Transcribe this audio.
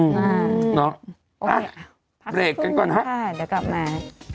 อืมอ๋อโอเคพักเวลากันก่อนฮะเดี๋ยวกลับมา